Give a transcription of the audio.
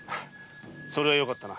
それはよかったな。